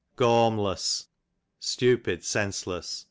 Gawmless, stupid, senseless.